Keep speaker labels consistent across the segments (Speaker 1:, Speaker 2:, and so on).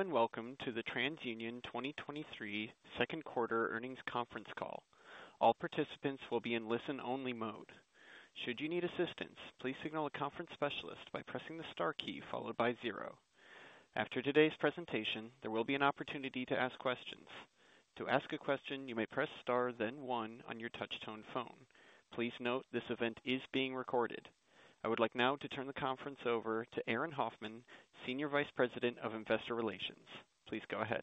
Speaker 1: Hello, and welcome to the TransUnion 2023 2Q earnings conference call. All participants will be in listen-only mode. Should you need assistance, please signal a conference specialist by pressing the star key followed by zero. After today's presentation, there will be an opportunity to ask questions. To ask a question, you may press star, then one on your touch-tone phone. Please note, this event is being recorded. I would like now to turn the conference over to Aaron Hoffman, Senior Vice President of Investor Relations. Please go ahead.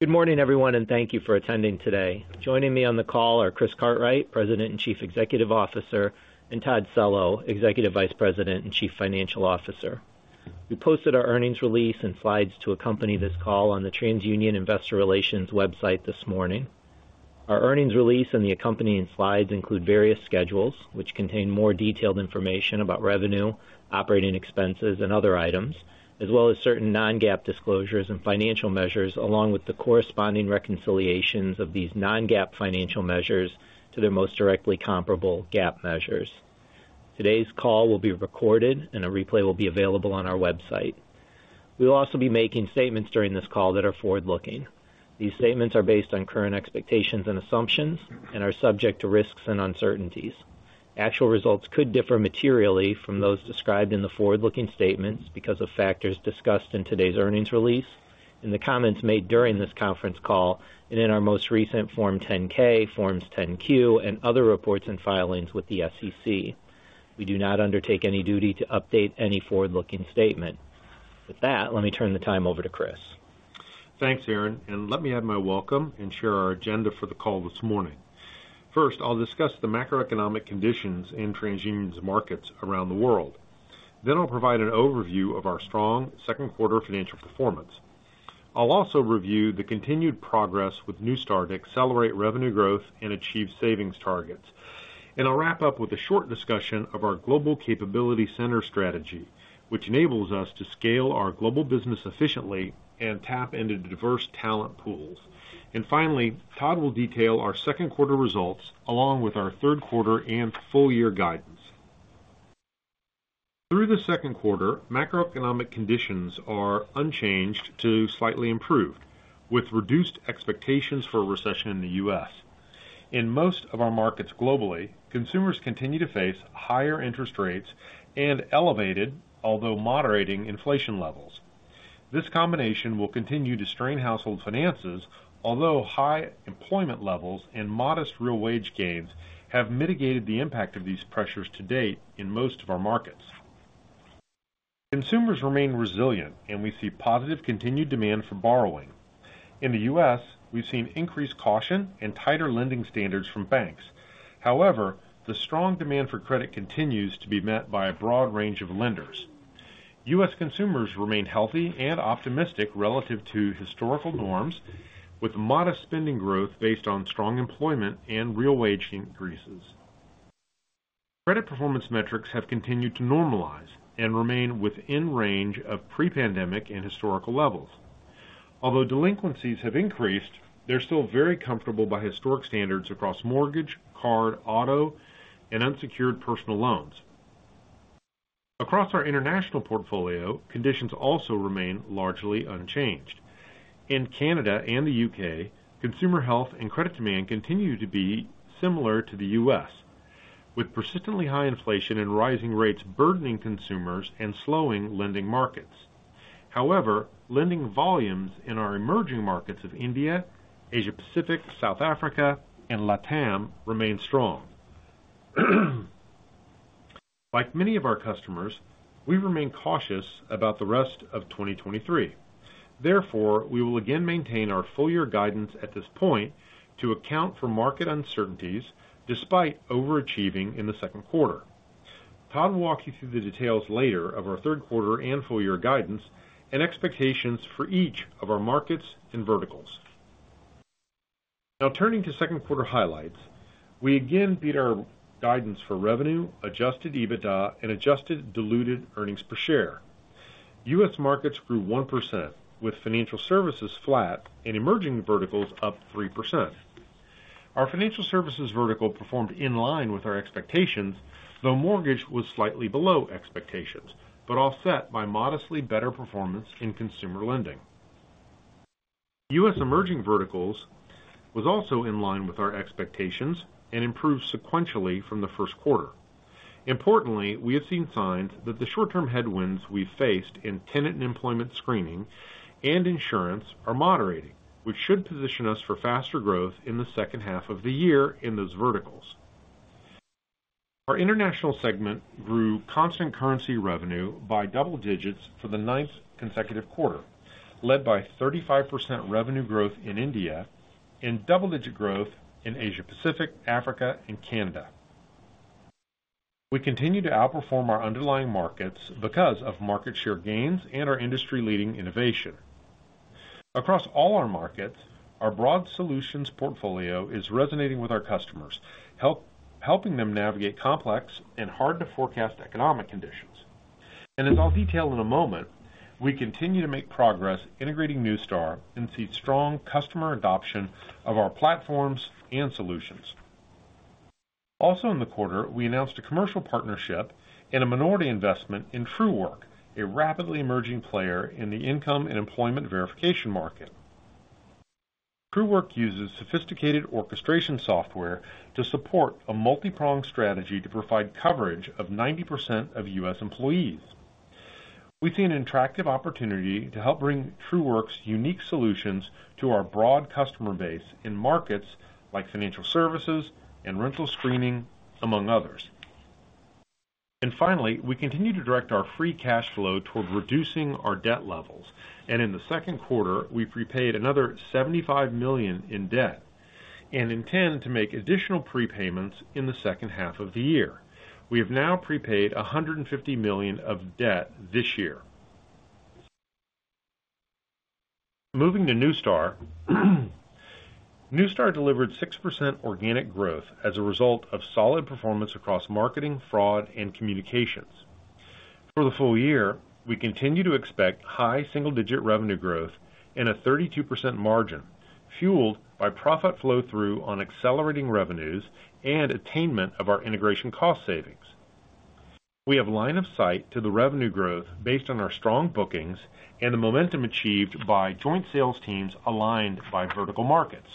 Speaker 2: Good morning, everyone, and thank you for attending today. Joining me on the call are Chris Cartwright, President and Chief Executive Officer, and Todd Cello, Executive Vice President and Chief Financial Officer. We posted our earnings release and slides to accompany this call on the TransUnion Investor Relations website this morning. Our earnings release and the accompanying slides include various schedules, which contain more detailed information about revenue, operating expenses, and other items, as well as certain non-GAAP disclosures and financial measures, along with the corresponding reconciliations of these non-GAAP financial measures to their most directly comparable GAAP measures. Today's call will be recorded and a replay will be available on our website. We will also be making statements during this call that are forward-looking. These statements are based on current expectations and assumptions and are subject to risks and uncertainties. Actual results could differ materially from those described in the forward-looking statements because of factors discussed in today's earnings release and the comments made during this conference call and in our most recent Form 10-K, Forms 10-Q, and other reports and filings with the SEC. We do not undertake any duty to update any forward-looking statement. With that, let me turn the time over to Chris.
Speaker 3: Thanks, Aaron. Let me add my welcome and share our agenda for the call this morning. First, I'll discuss the macroeconomic conditions in TransUnion's markets around the world. I'll provide an overview of our strong 2nd quarter financial performance. I'll also review the continued progress with Neustar to accelerate revenue growth and achieve savings targets. I'll wrap up with a short discussion of our Global Capability Center strategy, which enables us to scale our global business efficiently and tap into diverse talent pools. Finally, Todd will detail our 2nd quarter results, along with our 3rd quarter and full year guidance. Through the 2nd quarter, macroeconomic conditions are unchanged to slightly improved, with reduced expectations for a recession in the U.S. In most of our markets globally, consumers continue to face higher interest rates and elevated, although moderating, inflation levels. This combination will continue to strain household finances, although high employment levels and modest real wage gains have mitigated the impact of these pressures to date in most of our markets. Consumers remain resilient, and we see positive continued demand for borrowing. In the U.S., we've seen increased caution and tighter lending standards from banks. However, the strong demand for credit continues to be met by a broad range of lenders. U.S. consumers remain healthy and optimistic relative to historical norms, with modest spending growth based on strong employment and real wage increases. Credit performance metrics have continued to normalize and remain within range of pre-pandemic and historical levels. Although delinquencies have increased, they're still very comfortable by historic standards across mortgage, card, auto, and unsecured personal loans. Across our international portfolio, conditions also remain largely unchanged. In Canada and the U.K., consumer health and credit demand continue to be similar to the U.S., with persistently high inflation and rising rates burdening consumers and slowing lending markets. Lending volumes in our emerging markets of India, Asia Pacific, South Africa, and LATAM remain strong. Like many of our customers, we remain cautious about the rest of 2023. We will again maintain our full year guidance at this point to account for market uncertainties, despite overachieving in the second quarter. Todd will walk you through the details later of our third quarter and full year guidance and expectations for each of our markets and verticals. Turning to second quarter highlights, we again beat our guidance for revenue, adjusted EBITDA, and adjusted diluted earnings per share. U.S. markets grew 1%, with financial services flat and emerging verticals up 3%. Our financial services vertical performed in line with our expectations, though mortgage was slightly below expectations, but offset by modestly better performance in consumer lending. U.S. emerging verticals was also in line with our expectations and improved sequentially from the first quarter. Importantly, we have seen signs that the short-term headwinds we faced in tenant and employment screening and insurance are moderating, which should position us for faster growth in the second half of the year in those verticals. Our international segment grew constant currency revenue by double digits for the ninth consecutive quarter, led by 35% revenue growth in India and double-digit growth in Asia Pacific, Africa, and Canada. We continue to outperform our underlying markets because of market share gains and our industry-leading innovation. Across all our markets, our broad solutions portfolio is resonating with our customers, helping them navigate complex and hard-to-forecast economic conditions. As I'll detail in a moment, we continue to make progress integrating Neustar and see strong customer adoption of our platforms and solutions. Also in the quarter, we announced a commercial partnership and a minority investment in Truework, a rapidly emerging player in the income and employment verification market. Truework uses sophisticated orchestration software to support a multi-pronged strategy to provide coverage of 90% of U.S. employees. We see an attractive opportunity to help bring Truework's unique solutions to our broad customer base in markets like financial services and rental screening, among others. Finally, we continue to direct our free cash flow toward reducing our debt levels, and in the second quarter, we've prepaid another $75 million in debt, and intend to make additional prepayments in the second half of the year. We have now prepaid $150 million of debt this year. Moving to Neustar. Neustar delivered 6% organic growth as a result of solid performance across marketing, fraud, and communications. For the full year, we continue to expect high single-digit revenue growth and a 32% margin, fueled by profit flow through on accelerating revenues and attainment of our integration cost savings. We have line of sight to the revenue growth based on our strong bookings and the momentum achieved by joint sales teams aligned by vertical markets.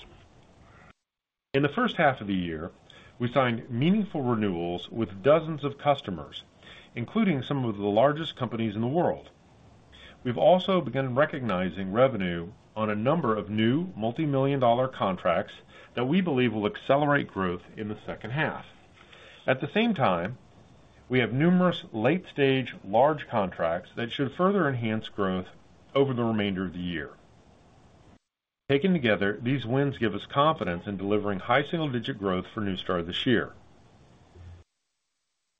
Speaker 3: In the first half of the year, we signed meaningful renewals with dozens of customers, including some of the largest companies in the world. We've also begun recognizing revenue on a number of new multimillion-dollar contracts that we believe will accelerate growth in the second half. At the same time, we have numerous late-stage, large contracts that should further enhance growth over the remainder of the year. Taken together, these wins give us confidence in delivering high single-digit growth for Neustar this year.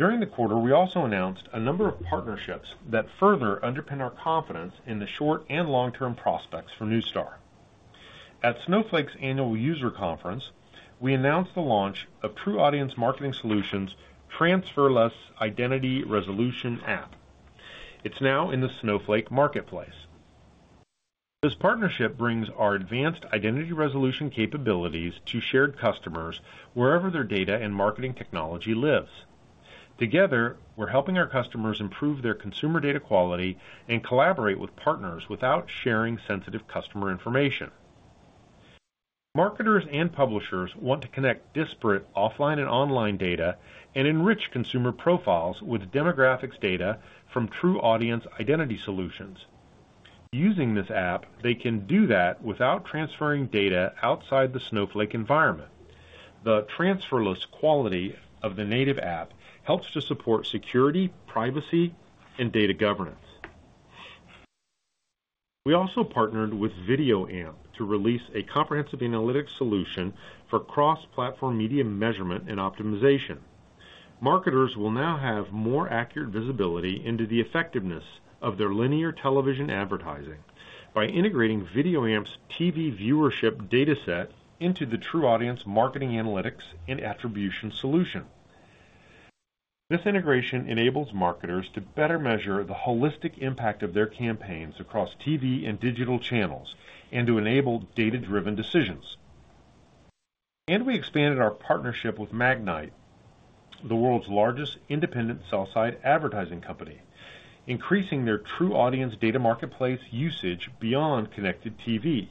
Speaker 3: During the quarter, we also announced a number of partnerships that further underpin our confidence in the short and long-term prospects for Neustar. At Snowflake's annual user conference, we announced the launch of TruAudience Marketing Solutions' transfer-less Identity Resolution app. It's now in the Snowflake Marketplace. This partnership brings our advanced identity resolution capabilities to shared customers wherever their data and marketing technology lives. Together, we're helping our customers improve their consumer data quality and collaborate with partners without sharing sensitive customer information. Marketers and publishers want to connect disparate offline and online data and enrich consumer profiles with demographics data from TruAudience Identity Solutions. Using this app, they can do that without transferring data outside the Snowflake environment. The transfer list quality of the native app helps to support security, privacy, and data governance. We also partnered with VideoAmp to release a comprehensive analytics solution for cross-platform media measurement and optimization. Marketers will now have more accurate visibility into the effectiveness of their linear television advertising by integrating VideoAmp's TV viewership data set into the TruAudience marketing analytics and attribution solution. This integration enables marketers to better measure the holistic impact of their campaigns across TV and digital channels, and to enable data-driven decisions. We expanded our partnership with Magnite, the world's largest independent sell-side advertising company, increasing their TruAudience Data Marketplace usage beyond connected TV.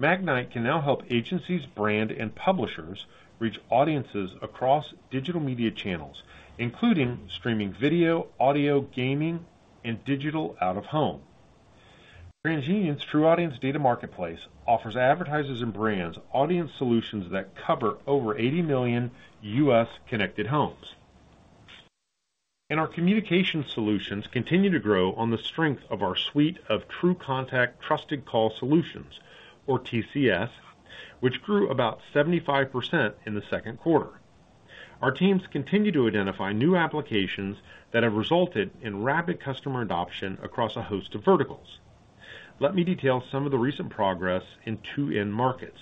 Speaker 3: Magnite can now help agencies, brand, and publishers reach audiences across digital media channels, including streaming video, audio, gaming, and digital out-of-home. TransUnion's TruAudience data marketplace offers advertisers and brands audience solutions that cover over 80 million US connected homes. Our communication solutions continue to grow on the strength of our suite of TruContact Trusted Call Solutions, or TCS, which grew about 75% in the second quarter. Our teams continue to identify new applications that have resulted in rapid customer adoption across a host of verticals. Let me detail some of the recent progress in two end markets.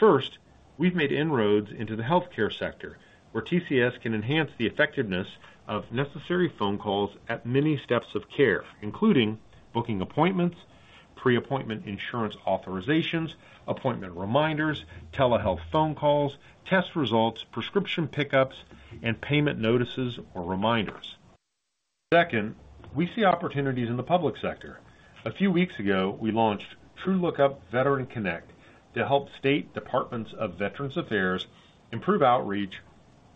Speaker 3: First, we've made inroads into the healthcare sector, where TCS can enhance the effectiveness of necessary phone calls at many steps of care, including booking appointments, pre-appointment insurance authorizations, appointment reminders, telehealth phone calls, test results, prescription pickups, and payment notices or reminders. Second, we see opportunities in the public sector. A few weeks ago, we launched TruLookup Veteran Connect to help state Department of Veterans Affairs improve outreach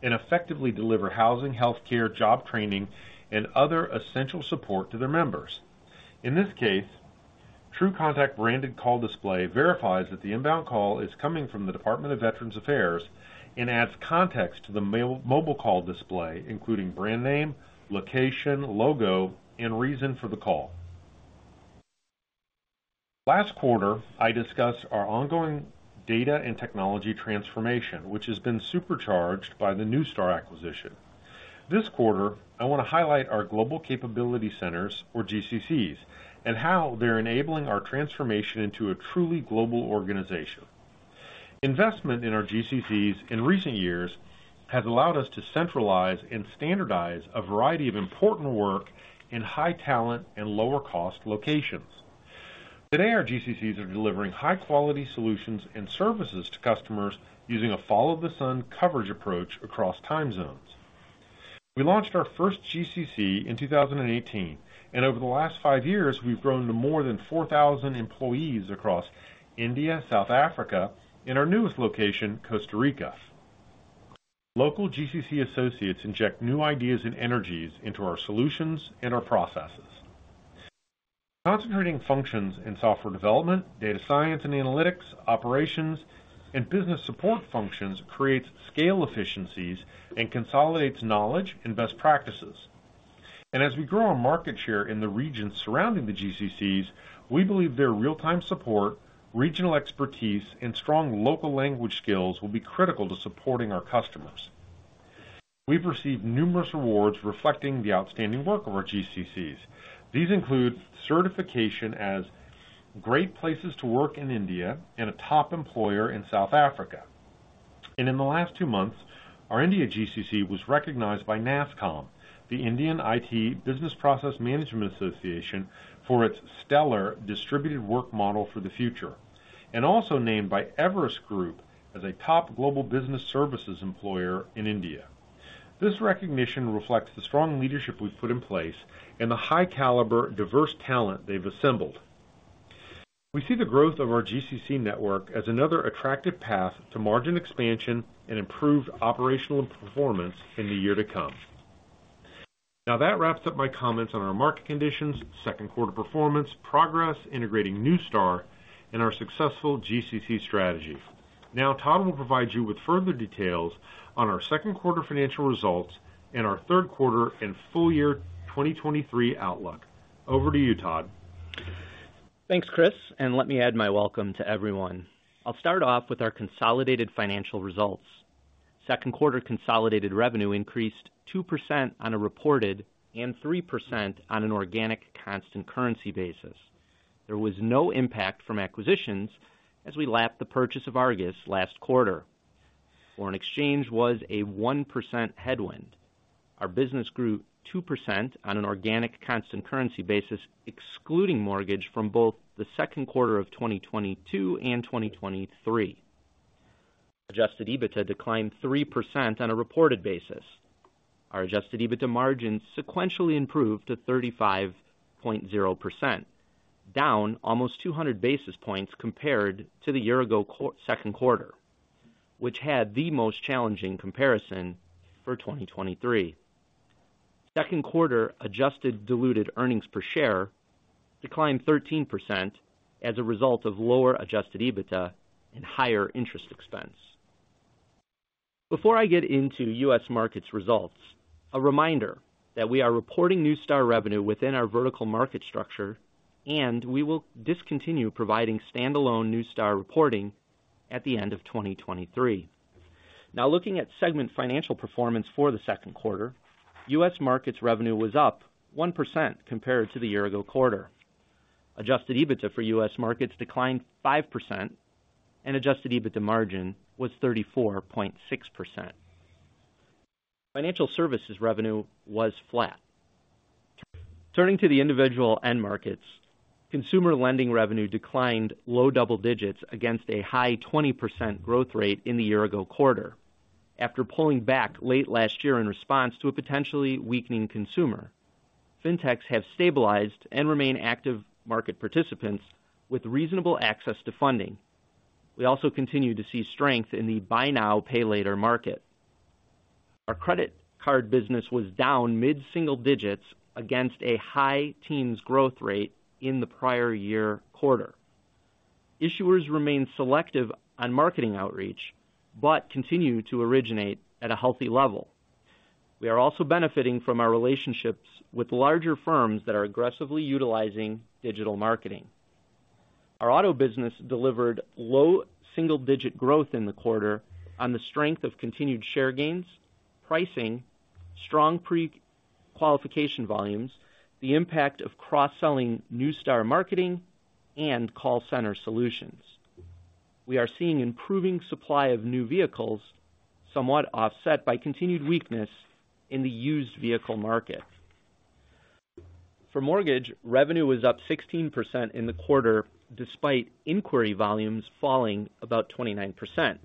Speaker 3: and effectively deliver housing, healthcare, job training, and other essential support to their members. In this case, TruContact branded call display verifies that the inbound call is coming from the Department of Veterans Affairs and adds context to the mobile call display, including brand name, location, logo, and reason for the call. Last quarter, I discussed our ongoing data and technology transformation, which has been supercharged by the Neustar acquisition. This quarter, I want to highlight our Global Capability Centers, or GCCs, and how they're enabling our transformation into a truly global organization. Investment in our GCCs in recent years has allowed us to centralize and standardize a variety of important work in high-talent and lower-cost locations. Today, our GCCs are delivering high-quality solutions and services to customers using a follow-the-sun coverage approach across time zones. We launched our first GCC in 2018, and over the last five years, we've grown to more than 4,000 employees across India, South Africa, and our newest location, Costa Rica. Local GCC associates inject new ideas and energies into our solutions and our processes. Concentrating functions in software development, data science and analytics, operations, and business support functions creates scale efficiencies and consolidates knowledge and best practices. As we grow our market share in the regions surrounding the GCCs, we believe their real-time support, regional expertise, and strong local language skills will be critical to supporting our customers. We've received numerous awards reflecting the outstanding work of our GCCs. These include certification as great places to work in India and a top employer in South Africa. In the last two months, our India GCC was recognized by NASSCOM, the Indian IT Business Process Management Association, for its stellar distributed work model for the future, and also named by Everest Group as a top global business services employer in India. This recognition reflects the strong leadership we've put in place and the high-caliber, diverse talent they've assembled. We see the growth of our GCC network as another attractive path to margin expansion and improved operational performance in the year to come. Now, that wraps up my comments on our market conditions, second quarter performance, progress, integrating Neustar, and our successful GCC strategy. Todd will provide you with further details on our second quarter financial results and our third quarter and full year 2023 outlook. Over to you, Todd.
Speaker 4: Thanks, Chris, and let me add my welcome to everyone. I'll start off with our consolidated financial results. Second quarter consolidated revenue increased 2% on a reported and 3% on an organic constant currency basis. There was no impact from acquisitions as we lapped the purchase of Argus last quarter. Foreign exchange was a 1% headwind. Our business grew 2% on an organic constant currency basis, excluding mortgage from both the second quarter of 2022 and 2023. Adjusted EBITDA declined 3% on a reported basis. Our adjusted EBITDA margin sequentially improved to 35.0%, down almost 200 basis points compared to the year ago second quarter, which had the most challenging comparison for 2023. Second quarter adjusted diluted EPS declined 13% as a result of lower adjusted EBITDA and higher interest expense. Before I get into U.S. markets results, a reminder that we are reporting Neustar revenue within our vertical market structure, and we will discontinue providing standalone Neustar reporting at the end of 2023. Now, looking at segment financial performance for the second quarter, U.S. markets revenue was up 1% compared to the year-ago quarter. Adjusted EBITDA for U.S. markets declined 5% and adjusted EBITDA margin was 34.6%. Financial services revenue was flat. Turning to the individual end markets, consumer lending revenue declined low double digits against a high 20% growth rate in the year-ago quarter. After pulling back late last year in response to a potentially weakening consumer, Fintechs have stabilized and remain active market participants with reasonable access to funding. We also continue to see strength in the buy now, pay later market. Our credit card business was down mid-single digits against a high teens growth rate in the prior year quarter. Issuers remain selective on marketing outreach, but continue to originate at a healthy level. We are also benefiting from our relationships with larger firms that are aggressively utilizing digital marketing. Our auto business delivered low single-digit growth in the quarter on the strength of continued share gains, pricing, strong pre-qualification volumes, the impact of cross-selling Neustar marketing, and call center solutions. We are seeing improving supply of new vehicles, somewhat offset by continued weakness in the used vehicle market. For mortgage, revenue was up 16% in the quarter, despite inquiry volumes falling about 29%.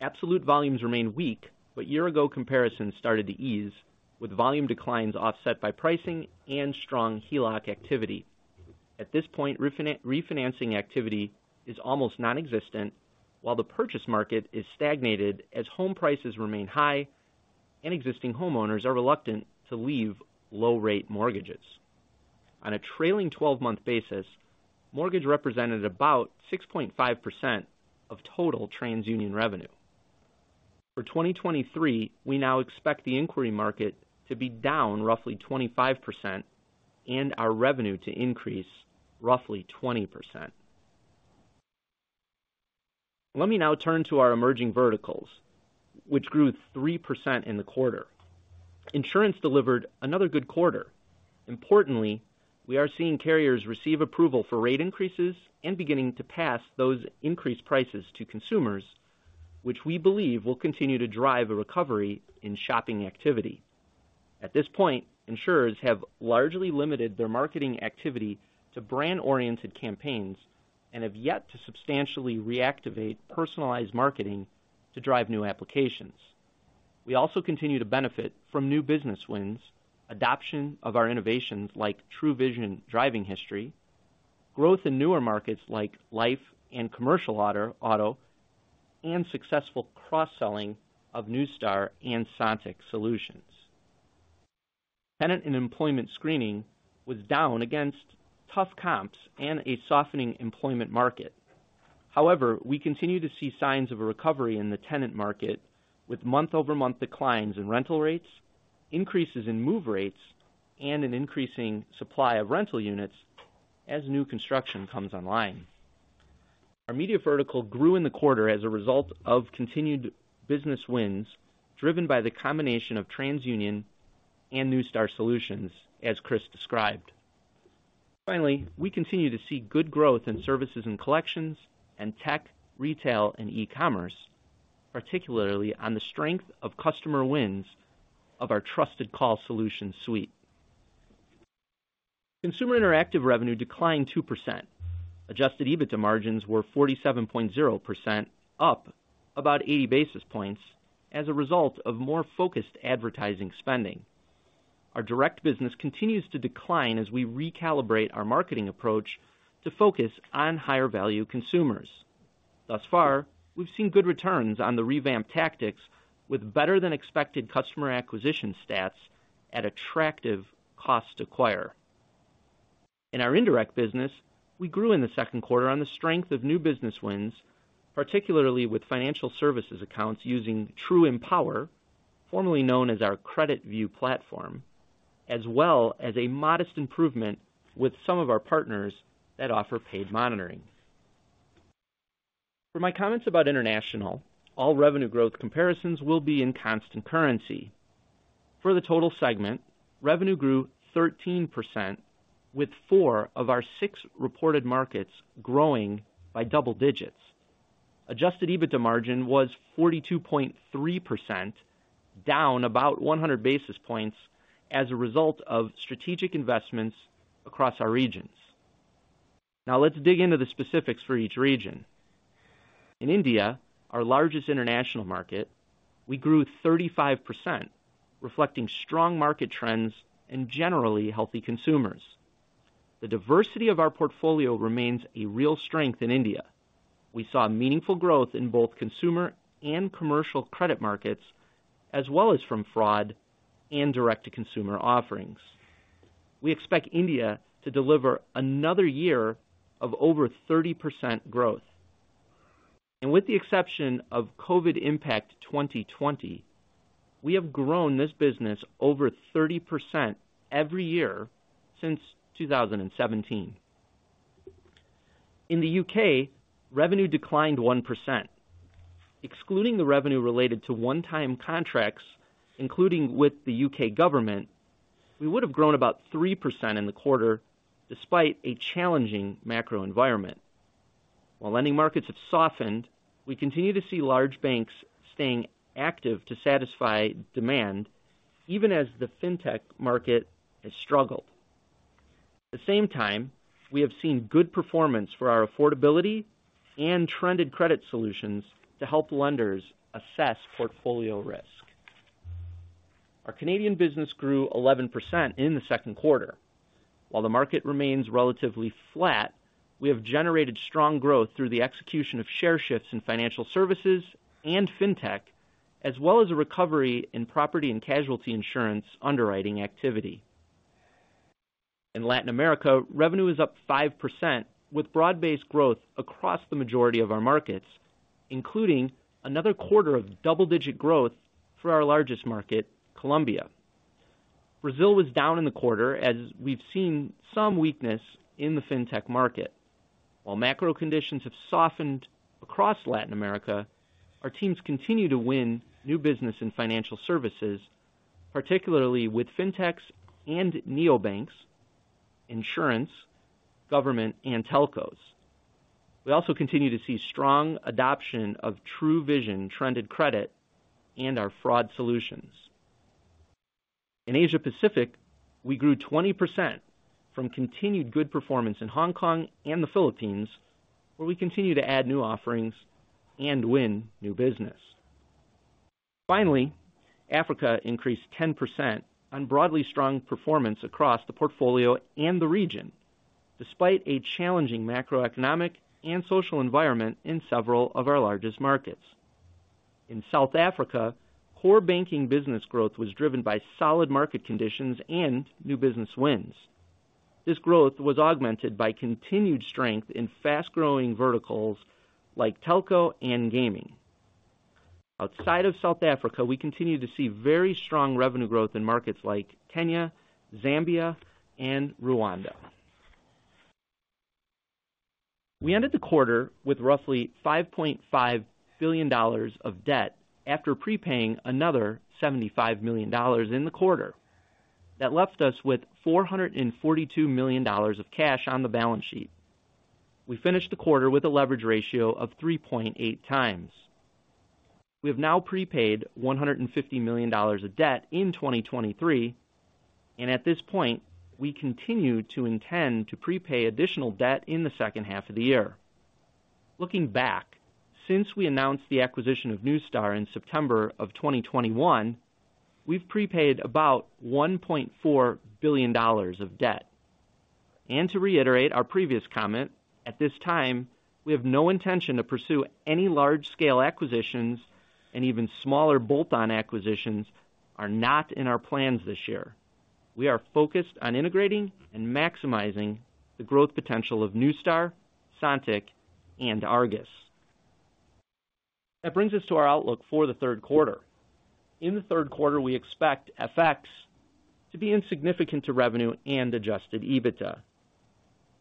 Speaker 4: Absolute volumes remained weak, but year-ago comparisons started to ease, with volume declines offset by pricing and strong HELOC activity. At this point, refinancing activity is almost non-existent, while the purchase market is stagnated as home prices remain high and existing homeowners are reluctant to leave low-rate mortgages. On a trailing 12-month basis, mortgage represented about 6.5% of total TransUnion revenue. For 2023, we now expect the inquiry market to be down roughly 25% and our revenue to increase roughly 20%. Let me now turn to our emerging verticals, which grew 3% in the quarter. Insurance delivered another good quarter. Importantly, we are seeing carriers receive approval for rate increases and beginning to pass those increased prices to consumers, which we believe will continue to drive a recovery in shopping activity....At this point, insurers have largely limited their marketing activity to brand-oriented campaigns and have yet to substantially reactivate personalized marketing to drive new applications. We also continue to benefit from new business wins, adoption of our innovations like TruVision Driving History, growth in newer markets like life and commercial auto, and successful cross-selling of Neustar and Sontiq solutions. Tenant and employment screening was down against tough comps and a softening employment market. However, we continue to see signs of a recovery in the tenant market, with month-over-month declines in rental rates, increases in move rates, and an increasing supply of rental units as new construction comes online. Our media vertical grew in the quarter as a result of continued business wins, driven by the combination of TransUnion and Neustar solutions, as Chris described. Finally, we continue to see good growth in services and collections and tech, retail, and e-commerce, particularly on the strength of customer wins of our Trusted Call Solutions suite. Consumer interactive revenue declined 2%. Adjusted EBITDA margins were 47.0%, up about 80 basis points as a result of more focused advertising spending. Our direct business continues to decline as we recalibrate our marketing approach to focus on higher-value consumers. Thus far, we've seen good returns on the revamped tactics, with better-than-expected customer acquisition stats at attractive cost to acquire. In our indirect business, we grew in the second quarter on the strength of new business wins, particularly with financial services accounts using TruEmpower, formerly known as our CreditView platform, as well as a modest improvement with some of our partners that offer paid monitoring. My comments about international, all revenue growth comparisons will be in constant currency. The total segment, revenue grew 13%, with four of our six reported markets growing by double digits. Adjusted EBITDA margin was 42.3%, down about 100 basis points as a result of strategic investments across our regions. Let's dig into the specifics for each region. In India, our largest international market, we grew 35%, reflecting strong market trends and generally healthy consumers. The diversity of our portfolio remains a real strength in India. We saw meaningful growth in both consumer and commercial credit markets, as well as from fraud and direct-to-consumer offerings. We expect India to deliver another year of over 30% growth. With the exception of COVID impact 2020, we have grown this business over 30% every year since 2017. In the U.K., revenue declined 1%. Excluding the revenue related to one-time contracts, including with the U.K. government, we would have grown about 3% in the quarter, despite a challenging macro environment. While lending markets have softened, we continue to see large banks staying active to satisfy demand, even as the fintech market has struggled. At the same time, we have seen good performance for our affordability and trended credit solutions to help lenders assess portfolio risk. Our Canadian business grew 11% in the second quarter. While the market remains relatively flat, we have generated strong growth through the execution of share shifts in financial services and fintech, as well as a recovery in property and casualty insurance underwriting activity. In Latin America, revenue is up 5%, with broad-based growth across the majority of our markets, including another quarter of double-digit growth for our largest market, Colombia. Brazil was down in the quarter as we've seen some weakness in the fintech market. While macro conditions have softened across Latin America, our teams continue to win new business in financial services, particularly with fintechs and neobanks, insurance, government, and telcos. We also continue to see strong adoption of TruVision trended credit and our fraud solutions. In Asia Pacific, we grew 20% from continued good performance in Hong Kong and the Philippines, where we continue to add new offerings and win new business. Finally, Africa increased 10% on broadly strong performance across the portfolio and the region, despite a challenging macroeconomic and social environment in several of our largest markets. In South Africa, core banking business growth was driven by solid market conditions and new business wins. This growth was augmented by continued strength in fast-growing verticals like telco and gaming. Outside of South Africa, we continue to see very strong revenue growth in markets like Kenya, Zambia, and Rwanda. We ended the quarter with roughly $5.5 billion of debt after prepaying another $75 million in the quarter. That left us with $442 million of cash on the balance sheet. We finished the quarter with a leverage ratio of 3.8 times. We have now prepaid $150 million of debt in 2023, at this point, we continue to intend to prepay additional debt in the second half of the year. Looking back, since we announced the acquisition of Neustar in September of 2021, we've prepaid about $1.4 billion of debt. To reiterate our previous comment, at this time, we have no intention to pursue any large-scale acquisitions, even smaller bolt-on acquisitions are not in our plans this year. We are focused on integrating and maximizing the growth potential of Neustar, Sontiq and Argus. That brings us to our outlook for the third quarter. In the third quarter, we expect FX to be insignificant to revenue and adjusted EBITDA.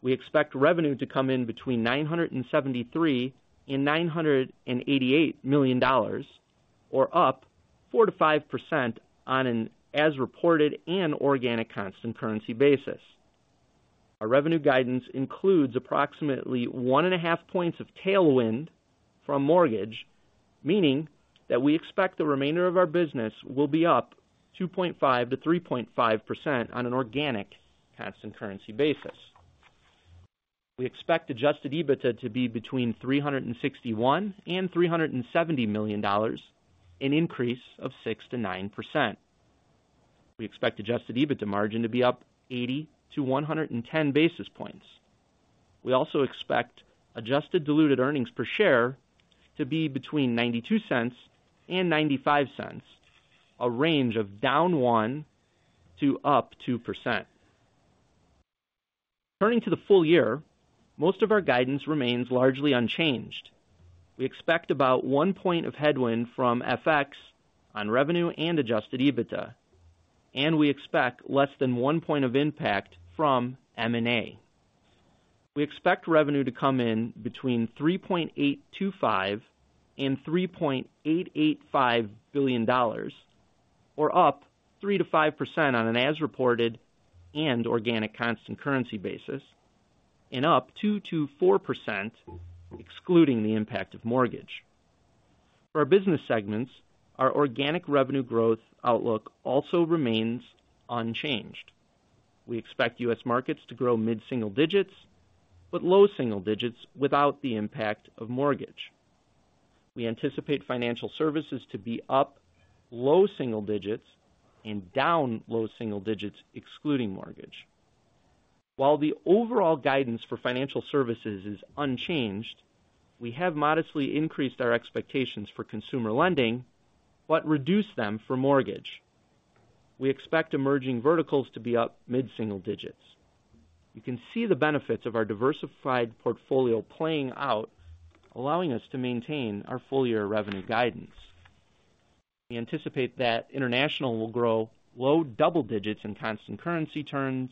Speaker 4: We expect revenue to come in between $973 million and $988 million, or up 4%-5% on an as reported and organic constant currency basis. Our revenue guidance includes approximately 1.5 points of tailwind from mortgage, meaning that we expect the remainder of our business will be up 2.5%-3.5% on an organic constant currency basis. We expect adjusted EBITDA to be between $361 million and $370 million, an increase of 6%-9%. We expect adjusted EBITDA margin to be up 80-110 basis points. We also expect adjusted diluted earnings per share to be between $0.92 and $0.95, a range of -1% to +2%. Turning to the full year, most of our guidance remains largely unchanged. We expect about 1 point of headwind from FX on revenue and adjusted EBITDA, and we expect less than 1 point of impact from M&A. We expect revenue to come in between $3.825 billion and $3.885 billion, or up 3%-5% on an as reported and organic constant currency basis, and up 2%-4%, excluding the impact of mortgage. For our business segments, our organic revenue growth outlook also remains unchanged. We expect U.S. markets to grow mid-single digits, low single digits without the impact of mortgage. We anticipate financial services to be up low single digits and down low single digits, excluding mortgage. While the overall guidance for financial services is unchanged, we have modestly increased our expectations for consumer lending, but reduced them for mortgage. We expect emerging verticals to be up mid-single digits. You can see the benefits of our diversified portfolio playing out, allowing us to maintain our full-year revenue guidance. We anticipate that international will grow low double digits in constant currency terms,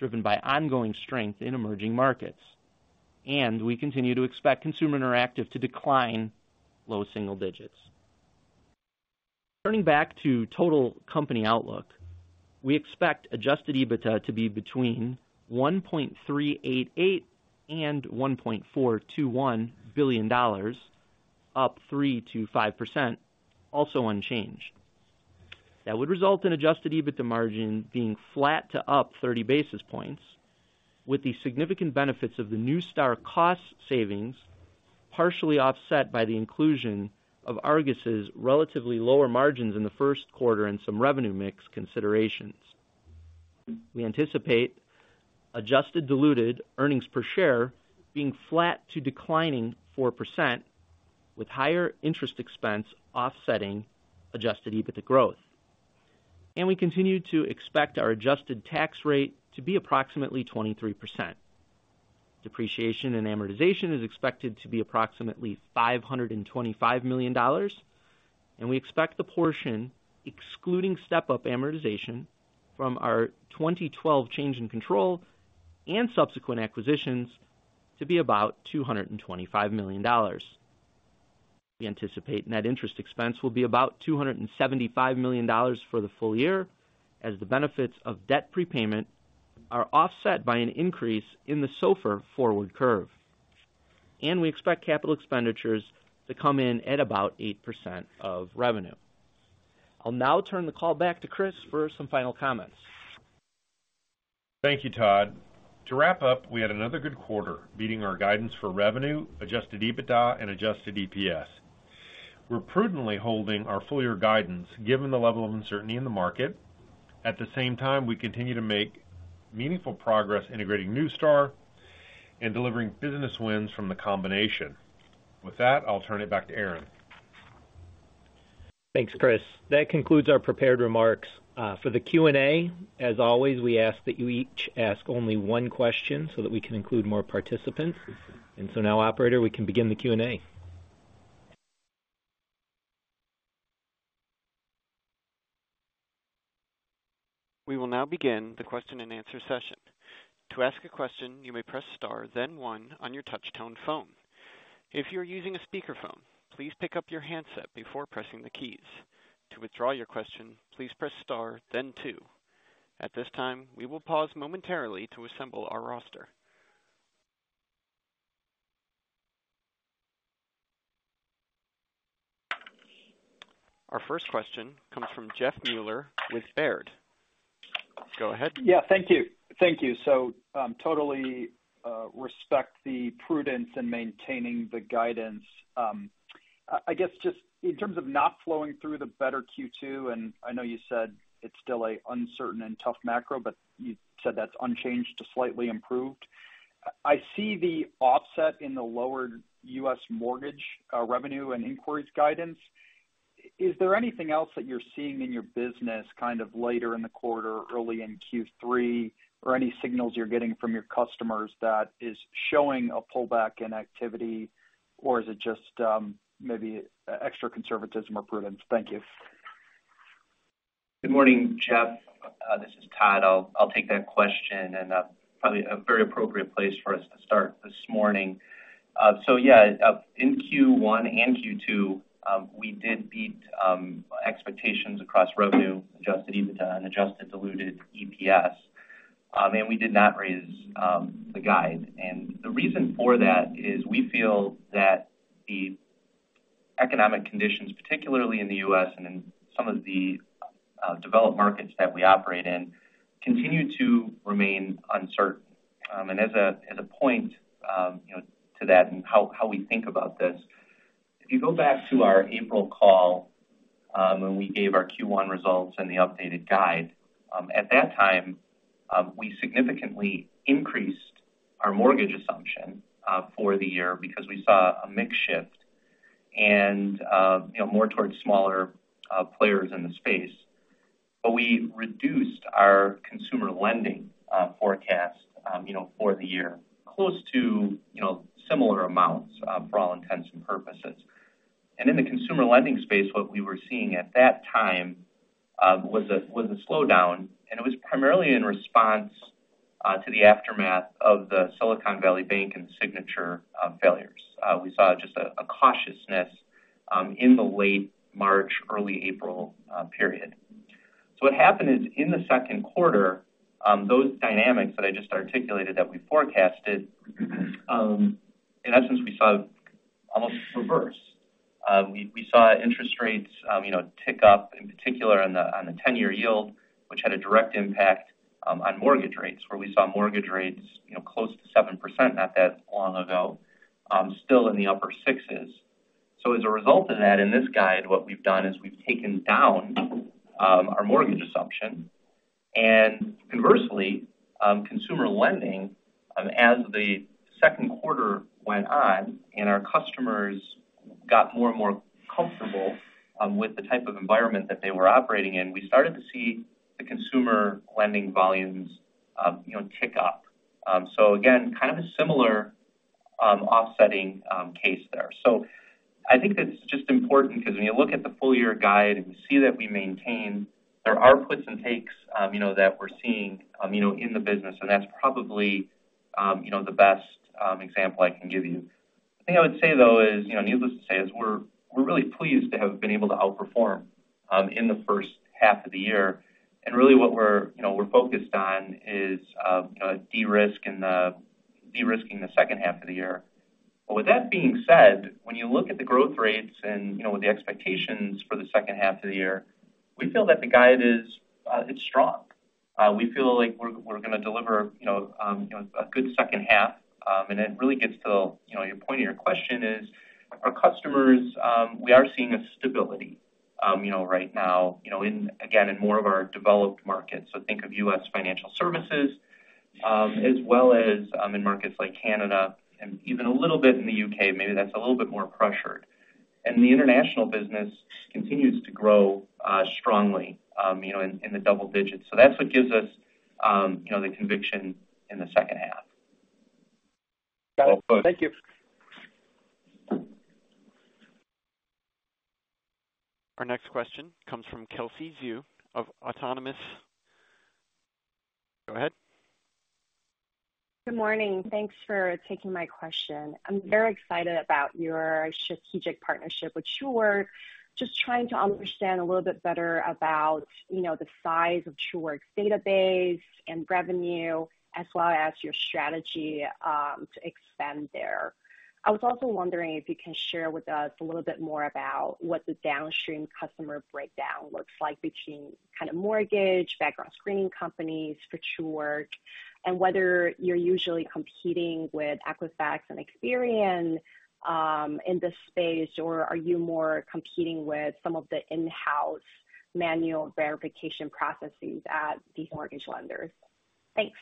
Speaker 4: driven by ongoing strength in emerging markets, and we continue to expect consumer interactive to decline low single digits. Turning back to total company outlook, we expect adjusted EBITDA to be between $1.388 billion and $1.421 billion, up 3%-5%, also unchanged. That would result in adjusted EBITDA margin being flat to up 30 basis points, with the significant benefits of the Neustar cost savings, partially offset by the inclusion of Argus's relatively lower margins in the first quarter and some revenue mix considerations. We anticipate adjusted diluted earnings per share being flat to declining 4%, with higher interest expense offsetting adjusted EBITDA growth, and we continue to expect our adjusted tax rate to be approximately 23%. Depreciation and amortization is expected to be approximately $525 million, and we expect the portion, excluding step-up amortization from our 2012 change in control and subsequent acquisitions, to be about $225 million. We anticipate net interest expense will be about $275 million for the full year, as the benefits of debt prepayment are offset by an increase in the SOFR forward curve. We expect capital expenditures to come in at about 8% of revenue. I'll now turn the call back to Chris for some final comments.
Speaker 3: Thank you, Todd. To wrap up, we had another good quarter, beating our guidance for revenue, adjusted EBITDA and adjusted EPS. We're prudently holding our full-year guidance, given the level of uncertainty in the market. At the same time, we continue to make meaningful progress integrating Neustar and delivering business wins from the combination. With that, I'll turn it back to Aaron.
Speaker 2: Thanks, Chris. That concludes our prepared remarks. For the Q&A, as always, we ask that you each ask only one question so that we can include more participants. Now, operator, we can begin the Q&A.
Speaker 1: We will now begin the question-and-answer session. To ask a question, you may press star, then 1 on your touch-tone phone. If you're using a speakerphone, please pick up your handset before pressing the keys. To withdraw your question, please press star then 2. At this time, we will pause momentarily to assemble our roster. Our first question comes from Jeff Meuler with Baird. Go ahead.
Speaker 5: Yeah, thank you. Thank you. Totally, respect the prudence in maintaining the guidance. I guess just in terms of not flowing through the better Q2, I know you said it's still an uncertain and tough macro, you said that's unchanged to slightly improved. I see the offset in the lower U.S. mortgage, revenue and inquiries guidance. Is there anything else that you're seeing in your business kind of later in the quarter, early in Q3, any signals you're getting from your customers that is showing a pullback in activity? Is it just, maybe, extra conservatism or prudence? Thank you.
Speaker 4: Good morning, Jeff. This is Todd. I'll take that question, probably a very appropriate place for us to start this morning. Yeah, in Q1 and Q2, we did beat expectations across revenue, adjusted EBITDA and adjusted diluted EPS. We did not raise the guide. The reason for that is we feel that the economic conditions, particularly in the U.S. and in some of the developed markets that we operate in, continue to remain uncertain. As a, as a point, you know, to that and how we think about this, if you go back to our April call, when we gave our Q1 results and the updated guide, at that time, we significantly increased our mortgage assumption for the year because we saw a mix shift and, you know, more towards smaller players in the space. We reduced our consumer lending forecast, you know, for the year, close to, you know, similar amounts for all intents and purposes. In the consumer lending space, what we were seeing at that time, was a, was a slowdown, and it was primarily in response to the aftermath of the Silicon Valley Bank and Signature failures. We saw just a cautiousness in the late March, early April period. What happened is, in the second quarter, those dynamics that I just articulated that we forecasted, in essence, we saw almost reverse. We saw interest rates, you know, tick up, in particular on the ten-year yield, which had a direct impact on mortgage rates, where we saw mortgage rates, you know, close to 7% not that long ago, still in the upper sixes. As a result of that, in this guide, what we've done is we've taken down our mortgage assumption. Conversely, consumer lending, as the 2nd quarter went on and our customers got more and more comfortable, with the type of environment that they were operating in, we started to see the consumer lending volumes, you know, tick up. Again, kind of a similar, offsetting, case there. I think it's just important because when you look at the full year guide and you see that we maintain, there are puts and takes, you know, that we're seeing, you know, in the business, and that's probably, you know, the best example I can give you. I think I would say, though, is, you know, needless to say, is we're really pleased to have been able to outperform, in the 1st half of the year. Really what we're, you know, we're focused on is de-risking the second half of the year. With that being said, when you look at the growth rates and, you know, with the expectations for the second half of the year, we feel that the guide is it's strong. We feel like we're gonna deliver, you know, a good second half. It really gets to, you know, your point of your question is, our customers, we are seeing a stability, you know, right now, you know, in, again, in more of our developed markets. Think of U.S. financial services, as well as, in markets like Canada and even a little bit in the U.K., maybe that's a little bit more pressured. The international business continues to grow strongly, you know, in the double digits. That's what gives us, you know, the conviction in the second half.
Speaker 5: Got it. Thank you.
Speaker 1: Our next question comes from Kelsey Zhu of Autonomous. Go ahead.
Speaker 6: Good morning. Thanks for taking my question. I'm very excited about your strategic partnership with Truework. Just trying to understand a little bit better about, you know, the size of Truework's database and revenue, as well as your strategy to expand there. I was also wondering if you can share with us a little bit more about what the downstream customer breakdown looks like between kind of mortgage, background screening companies for Truework, and whether you're usually competing with Equifax and Experian in this space, or are you more competing with some of the in-house manual verification processes at these mortgage lenders? Thanks.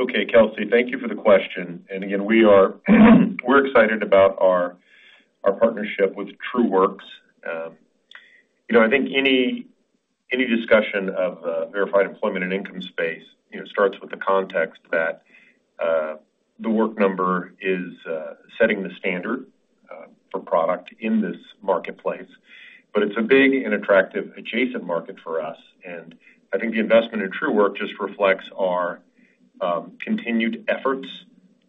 Speaker 3: Okay, Kelsey, thank you for the question. Again, we're excited about our partnership with Truework. You know, I think any discussion of verified employment and income space, you know, starts with the context that The Work Number is setting the standard in this marketplace. It's a big and attractive adjacent market for us, and I think the investment in Truework just reflects our continued efforts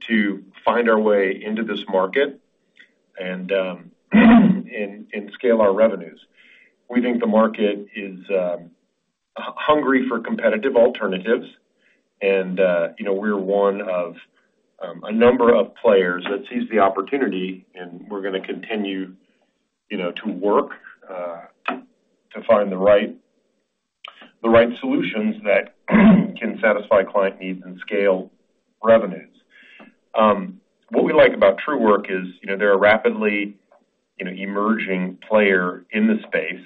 Speaker 3: to find our way into this market and scale our revenues. We think the market is hungry for competitive alternatives. You know, we're one of a number of players that sees the opportunity, and we're gonna continue, you know, to work to find the right solutions that can satisfy client needs and scale revenues. What we like about Truework is, you know, they're a rapidly, you know, emerging player in the space,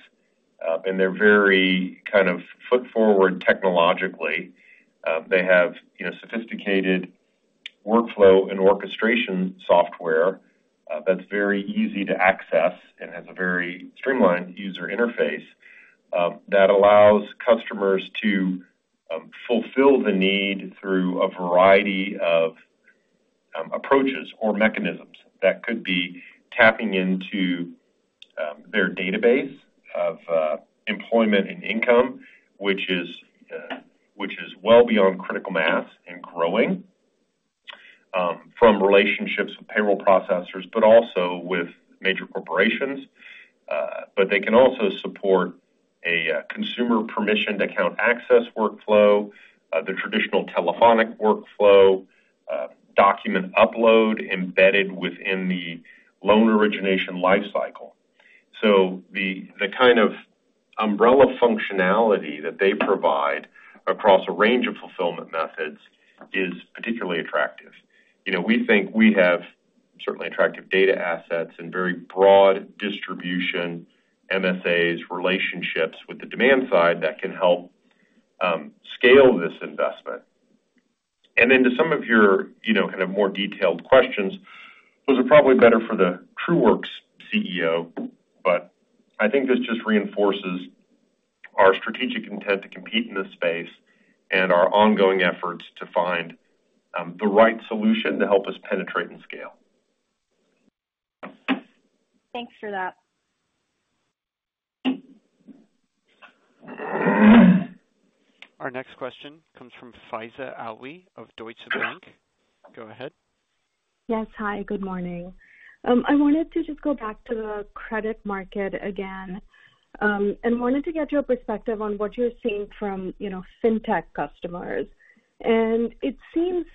Speaker 3: and they're very kind of foot forward technologically. They have, you know, sophisticated workflow and orchestration software that's very easy to access and has a very streamlined user interface that allows customers to fulfill the need through a variety of approaches or mechanisms. That could be tapping into their database of employment and income, which is well beyond critical mass and growing from relationships with payroll processors, but also with major corporations. They can also support a consumer permissioned account access workflow, the traditional telephonic workflow, document upload embedded within the loan origination life cycle. The kind of umbrella functionality that they provide across a range of fulfillment methods is particularly attractive. You know, we think we have certainly attractive data assets and very broad distribution, MSAs, relationships with the demand side that can help scale this investment. To some of your, you know, kind of more detailed questions, those are probably better for the Truework's CEO, but I think this just reinforces our strategic intent to compete in this space and our ongoing efforts to find the right solution to help us penetrate and scale.
Speaker 6: Thanks for that.
Speaker 1: Our next question comes from Faiza Alwy of Deutsche Bank. Go ahead.
Speaker 7: Yes. Hi, good morning. I wanted to just go back to the credit market again, and wanted to get your perspective on what you're seeing from, you know, fintech customers. It seems,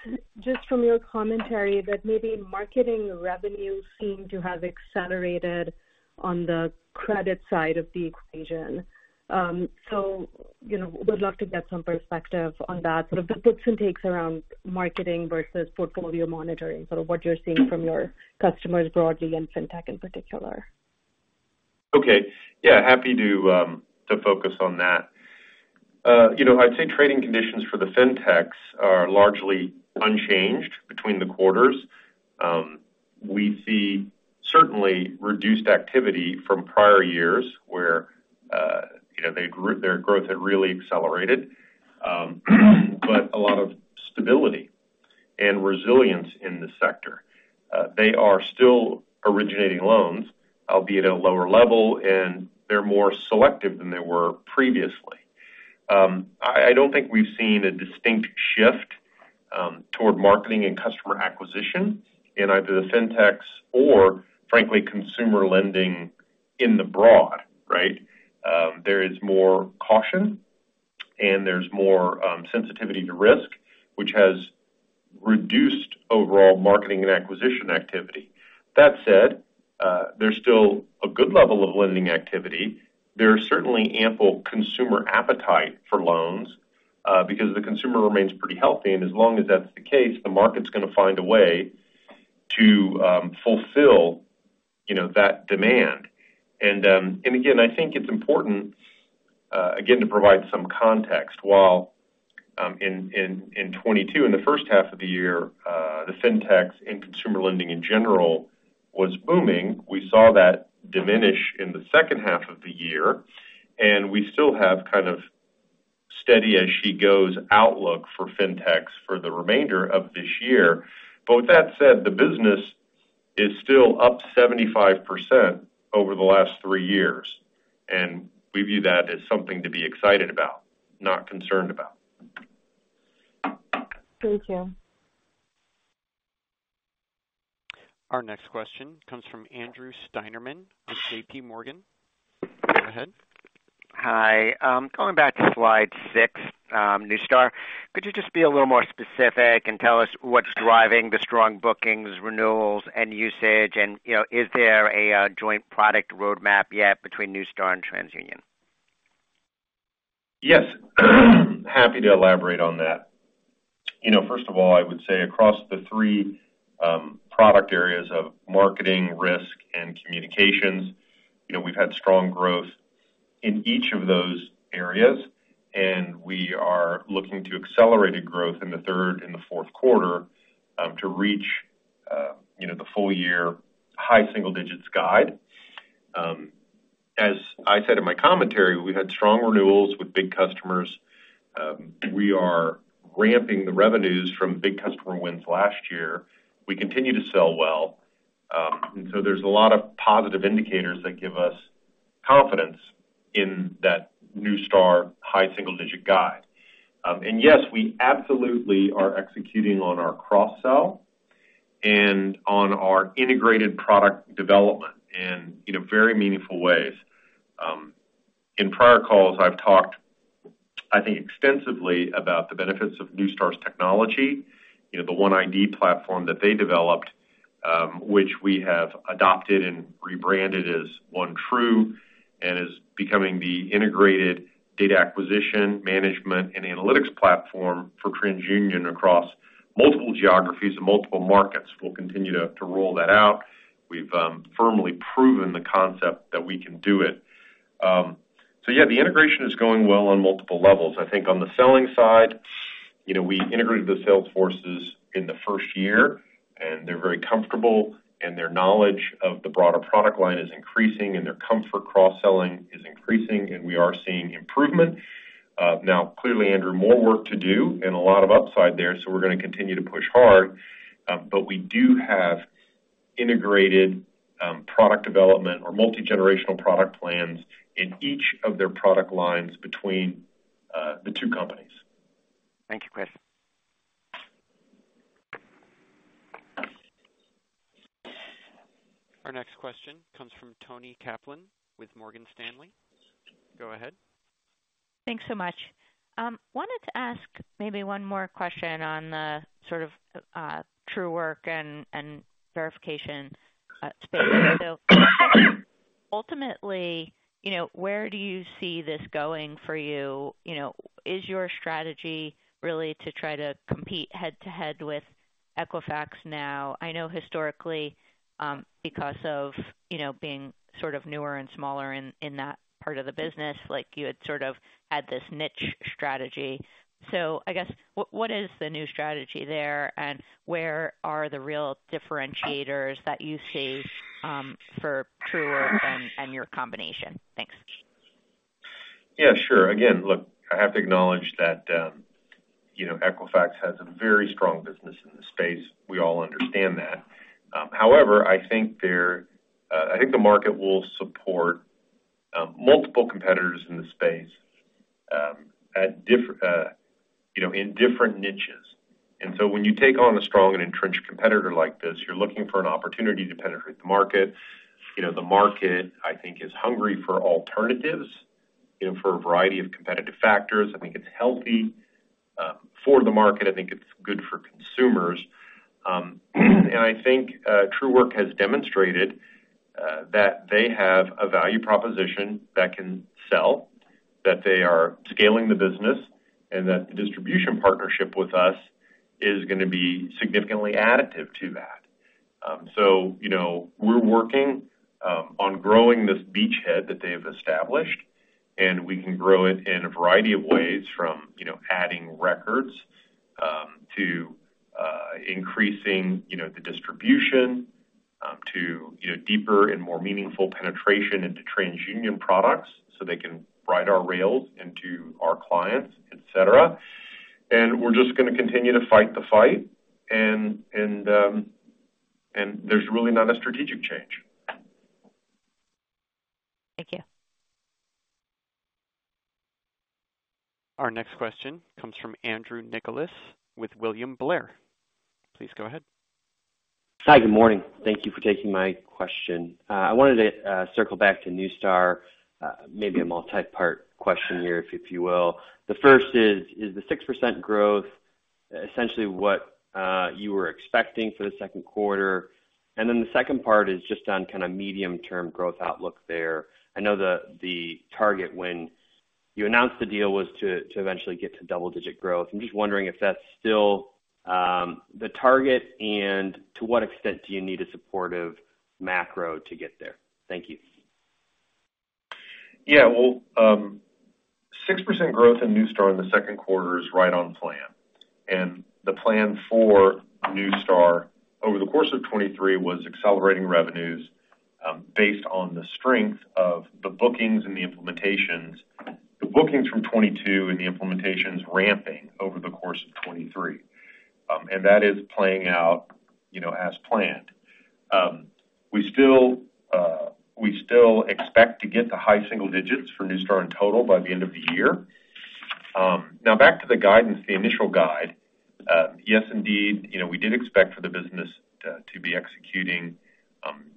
Speaker 7: just from your commentary, that maybe marketing revenues seem to have accelerated on the credit side of the equation. You know, would love to get some perspective on that, sort of the mix and takes around marketing versus portfolio monitoring, sort of what you're seeing from your customers broadly, in fintech in particular.
Speaker 3: Okay. Yeah, happy to focus on that. You know, I'd say trading conditions for the fintechs are largely unchanged between the quarters. We see certainly reduced activity from prior years where, you know, their growth had really accelerated, but a lot of stability and resilience in the sector. They are still originating loans, albeit at a lower level, and they're more selective than they were previously. I don't think we've seen a distinct shift toward marketing and customer acquisition in either the fintechs or frankly, consumer lending in the broad, right? There is more caution and there's more sensitivity to risk, which has reduced overall marketing and acquisition activity. That said, there's still a good level of lending activity. There's certainly ample consumer appetite for loans because the consumer remains pretty healthy, and as long as that's the case, the market's gonna find a way to fulfill, you know, that demand. Again, I think it's important again to provide some context. While in 2022, in the first half of the year, the fintechs and consumer lending in general was booming, we saw that diminish in the second half of the year. We still have kind of steady-as-she-goes outlook for fintechs for the remainder of this year. With that said, the business is still up 75% over the last three years. We view that as something to be excited about, not concerned about.
Speaker 7: Thank you.
Speaker 1: Our next question comes from Andrew Steinerman with JPMorgan. Go ahead.
Speaker 8: Hi. Going back to slide six, Neustar, could you just be a little more specific and tell us what's driving the strong bookings, renewals, and usage? You know, is there a joint product roadmap yet between Neustar and TransUnion?
Speaker 3: Yes. Happy to elaborate on that. You know, first of all, I would say across the 3 product areas of marketing, risk, and communications, you know, we've had strong growth in each of those areas, and we are looking to accelerated growth in the 3rd and the 4th quarter to reach, you know, the full year high single digits guide. As I said in my commentary, we had strong renewals with big customers. We are ramping the revenues from big customer wins last year. We continue to sell well. So there's a lot of positive indicators that give us confidence in that Neustar high single-digit guide. Yes, we absolutely are executing on our cross-sell and on our integrated product development in a very meaningful ways. In prior calls, I've talked, I think, extensively about the benefits of Neustar's technology, you know, the OneID platform that they developed, which we have adopted and rebranded as OneTru, and is becoming the integrated data acquisition, management, and analytics platform for TransUnion across multiple geographies and multiple markets. We'll continue to roll that out. We've firmly proven the concept that we can do it. Yeah, the integration is going well on multiple levels. I think on the selling side, you know, we integrated the sales forces in the first year, and they're very comfortable, and their knowledge of the broader product line is increasing, and their comfort cross-selling is increasing, and we are seeing improvement. Clearly, Andrew, more work to do and a lot of upside there, so we're gonna continue to push hard. We do have integrated product development or multigenerational product plans in each of their product lines between the two companies.
Speaker 8: Thank you, Chris.
Speaker 1: Our next question comes from Toni Kaplan with Morgan Stanley. Go ahead.
Speaker 9: Thanks so much. Wanted to ask maybe one more question on the sort of, Truework and verification, space. Ultimately, you know, where do you see this going for you? You know, is your strategy really to try to compete head-to-head with Equifax now? I know historically, because of, you know, being sort of newer and smaller in that part of the business, like you had sort of had this niche strategy. I guess, what is the new strategy there, and where are the real differentiators that you see, for Truework and your combination? Thanks.
Speaker 3: Yeah, sure. Again, look, I have to acknowledge that, you know Equifax has a very strong business in the space. We all understand that. However, I think the market will support multiple competitors in the space at diff, you know, in different niches. When you take on a strong and entrenched competitor like this, you're looking for an opportunity to penetrate the market. You know, the market, I think, is hungry for alternatives, you know, for a variety of competitive factors. I think it's healthy for the market, I think it's good for consumers. I think, Truework has demonstrated that they have a value proposition that can sell, that they are scaling the business, and that the distribution partnership with us is gonna be significantly additive to that. You know, we're working on growing this beachhead that they've established, and we can grow it in a variety of ways, from, you know, adding records to increasing, you know, the distribution to, you know, deeper and more meaningful penetration into TransUnion products, so they can ride our rails into our clients, et cetera. We're just gonna continue to fight the fight, and there's really not a strategic change.
Speaker 9: Thank you.
Speaker 1: Our next question comes from Andrew Nicholas, with William Blair. Please go ahead.
Speaker 10: Hi, good morning. Thank you for taking my question. I wanted to circle back to Neustar, maybe a multi-part question here, if you will. The first is the 6% growth, essentially what you were expecting for the second quarter? The second part is just on kind of medium-term growth outlook there. I know the target when you announced the deal was to eventually get to double-digit growth. I'm just wondering if that's still the target, and to what extent do you need a supportive macro to get there? Thank you.
Speaker 3: Yeah. Well, 6% growth in Neustar in the second quarter is right on plan. The plan for Neustar over the course of 2023 was accelerating revenues, based on the strength of the bookings and the implementations. The bookings from 2022 and the implementations ramping over the course of 2023. That is playing out, you know, as planned. We still expect to get to high single digits for Neustar in total by the end of the year. Now, back to the guidance, the initial guide. Yes, indeed, you know, we did expect for the business to be executing,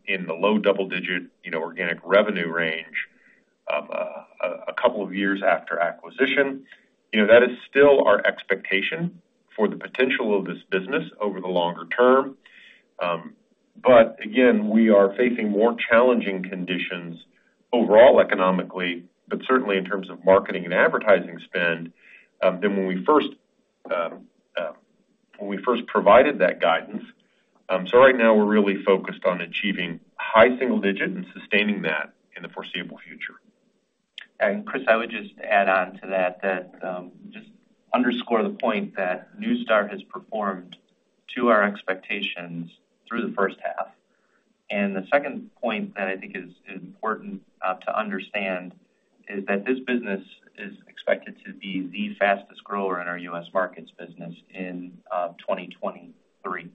Speaker 3: in the low double digit, you know, organic revenue range of a couple of years after acquisition. You know, that is still our expectation for the potential of this business over the longer term. Again, we are facing more challenging conditions overall, economically, but certainly in terms of marketing and advertising spend than when we first provided that guidance. Right now we're really focused on achieving high single-digit and sustaining that in the foreseeable future....
Speaker 4: Chris, I would just add on to that, just underscore the point that Neustar has performed to our expectations through the first half. The second point that I think is important to understand is that this business is expected to be the fastest grower in our U.S. markets business in 2023.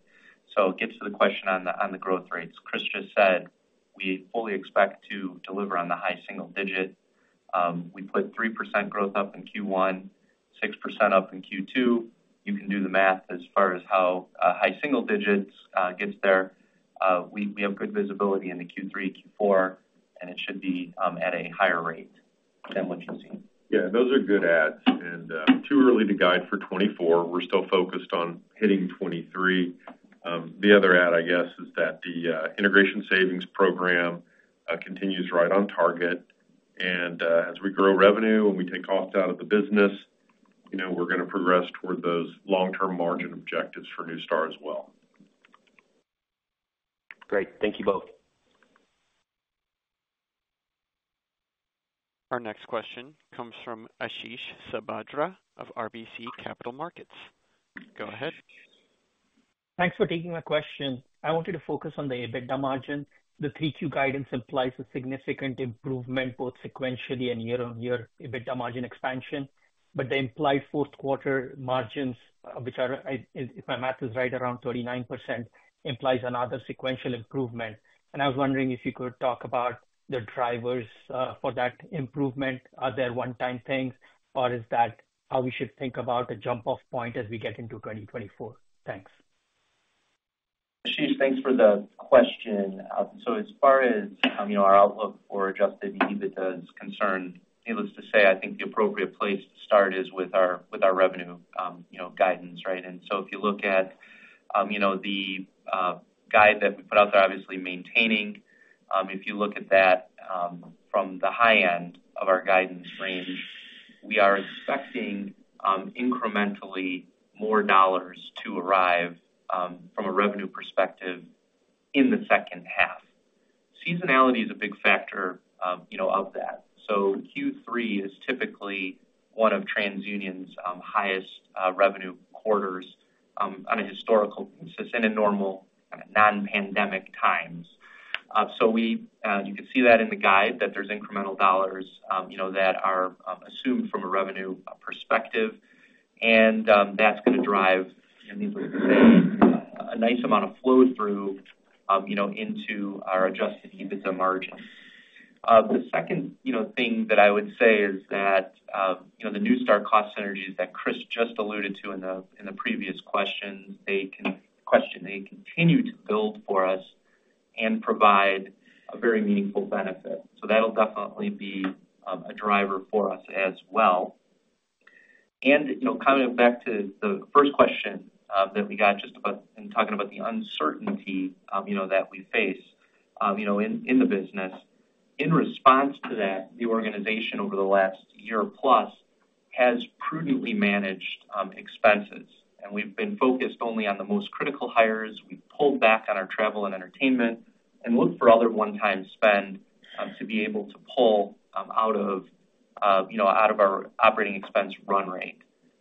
Speaker 4: It gets to the question on the growth rates. Chris just said, we fully expect to deliver on the high single digit. We put 3% growth up in Q1, 6% up in Q2. You can do the math as far as how high single digits gets there. We have good visibility into Q3, Q4, and it should be at a higher rate than what you've seen.
Speaker 3: Yeah, those are good adds. Too early to guide for 2024. We're still focused on hitting 2023. The other add, I guess, is that the integration savings program continues right on target. As we grow revenue and we take costs out of the business, you know, we're gonna progress toward those long-term margin objectives for Neustar as well.
Speaker 10: Great. Thank you both.
Speaker 1: Our next question comes from Ashish Sabadra of RBC Capital Markets. Go ahead.
Speaker 11: Thanks for taking my question. I wanted to focus on the EBITDA margin. The 3Q guidance implies a significant improvement, both sequentially and year-on-year EBITDA margin expansion, but the implied fourth quarter margins, which are, if my math is right, around 39%, implies another sequential improvement. I was wondering if you could talk about the drivers for that improvement. Are they one-time things, or is that how we should think about a jump-off point as we get into 2024? Thanks.
Speaker 4: Ashish, thanks for the question. As far as, you know, our outlook for adjusted EBITDA is concerned, needless to say, I think the appropriate place to start is with our revenue, you know, guidance, right? If you look at, you know, the guide that we put out there, obviously maintaining, if you look at that, from the high end of our guidance range, we are expecting incrementally more dollars to arrive from a revenue perspective in the second half. Seasonality is a big factor, you know, of that. Q3 is typically one of TransUnion's highest revenue quarters on a historical basis in a normal, non-pandemic times. You can see that in the guide, that there's incremental dollars, you know, that are assumed from a revenue perspective. That's gonna drive, I mean, a nice amount of flow-through, you know, into our adjusted EBITDA margin. The second, you know, thing that I would say is that, you know, the Neustar cost synergies that Chris just alluded to in the previous questions, they continue to build for us and provide a very meaningful benefit. That'll definitely be a driver for us as well. You know, coming back to the first question, that we got just about, in talking about the uncertainty, you know, that we face, you know, in the business. In response to that, the organization over the last year plus has prudently managed expenses, and we've been focused only on the most critical hires. We've pulled back on our travel and entertainment and looked for other one-time spend to be able to pull, you know, out of our operating expense run rate.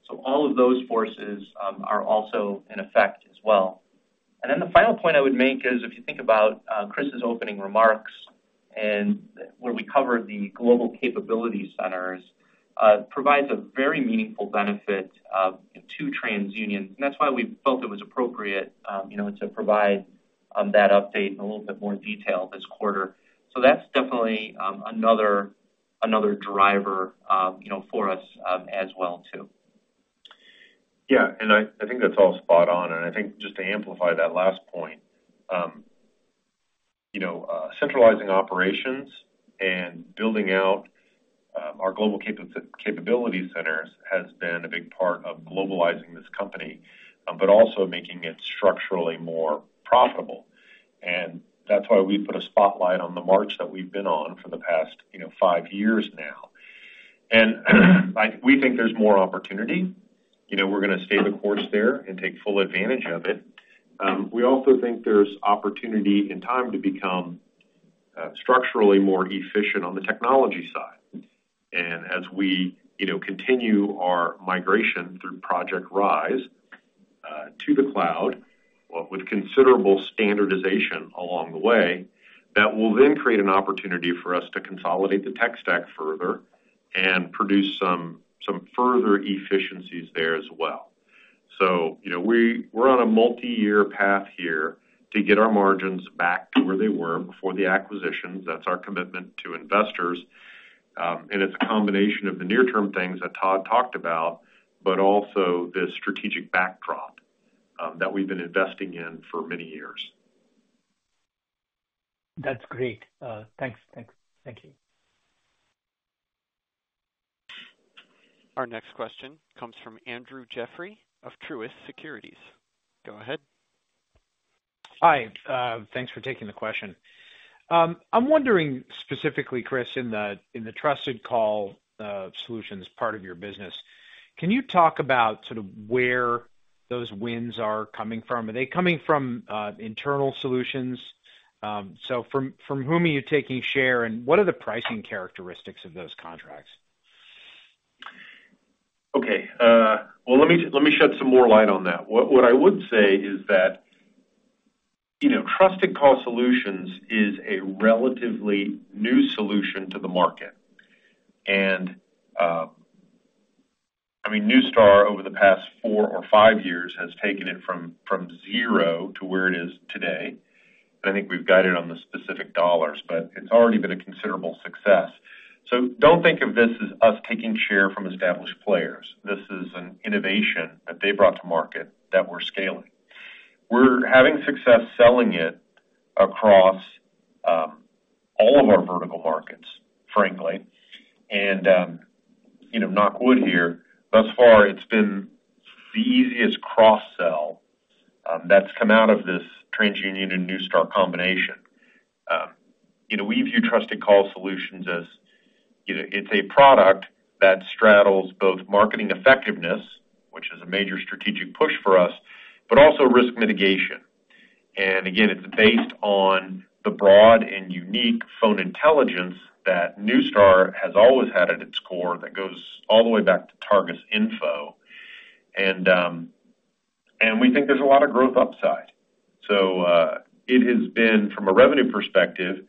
Speaker 4: All of those forces are also in effect as well. The final point I would make is, if you think about Chris's opening remarks and where we covered the Global Capability Centers provides a very meaningful benefit to TransUnion. That's why we felt it was appropriate, you know, to provide that update in a little bit more detail this quarter. That's definitely another driver, you know, for us as well, too.
Speaker 3: Yeah, I think that's all spot on. I think just to amplify that last point, you know, centralizing operations and building out our Global Capability Centers has been a big part of globalizing this company, but also making it structurally more profitable. That's why we put a spotlight on the march that we've been on for the past, you know, five years now. We think there's more opportunity. You know, we're gonna stay the course there and take full advantage of it. We also think there's opportunity and time to become structurally more efficient on the technology side. As we, you know, continue our migration through Project Rise to the cloud, with considerable standardization along the way, that will then create an opportunity for us to consolidate the tech stack further and produce some further efficiencies there as well. You know, We're on a multiyear path here to get our margins back to where they were before the acquisitions. That's our commitment to investors. It's a combination of the near-term things that Todd talked about, but also the strategic backdrop that we've been investing in for many years.
Speaker 11: That's great. thanks. Thank you.
Speaker 1: Our next question comes from Andrew Jeffrey of Truist Securities. Go ahead.
Speaker 12: Hi, thanks for taking the question. I'm wondering, specifically, Chris, in the Trusted Call Solutions part of your business? Can you talk about sort of where those wins are coming from? Are they coming from internal solutions? From whom are you taking share, and what are the pricing characteristics of those contracts?
Speaker 3: Okay, well, let me shed some more light on that. What I would say is that, you know, Trusted Call Solutions is a relatively new solution to the market. I mean, Neustar, over the past four or five years, has taken it from zero to where it is today. I think we've guided on the specific dollars, but it's already been a considerable success. Don't think of this as us taking share from established players. This is an innovation that they brought to market that we're scaling. We're having success selling it across all of our vertical markets, frankly, you know, knock wood here, thus far it's been the easiest cross-sell that's come out of this TransUnion and Neustar combination. You know, we view Trusted Call Solutions as, you know, it's a product that straddles both marketing effectiveness, which is a major strategic push for us, but also risk mitigation. Again, it's based on the broad and unique phone intelligence that Neustar has always had at its core, that goes all the way back to TARGUSinfo. We think there's a lot of growth upside. It has been, from a revenue perspective,